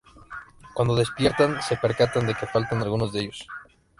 Cuando despiertan se percatan de que faltan algunos de ellos.